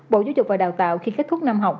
bộ giáo dục và đào tạo khi kết thúc năm học